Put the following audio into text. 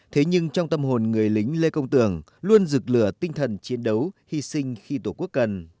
thế nhưng trong tâm hồn người lính lê công tường luôn dực lửa tinh thần chiến đấu hy sinh khi tổ quốc cần